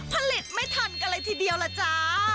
ผลิตไม่ทันกันเลยทีเดียวล่ะจ๊ะ